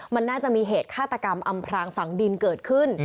มันน่าจะมีเหตุฆาตกรรมอำพรางฝังดินเกิดขึ้น